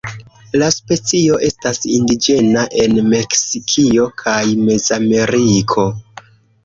La specio estas indiĝena en Meksikio kaj Mezameriko.